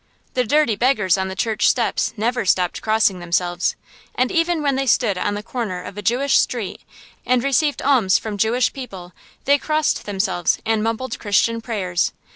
The dirty beggars on the church steps never stopped crossing themselves; and even when they stood on the corner of a Jewish street, and received alms from Jewish people, they crossed themselves and mumbled Christian prayers.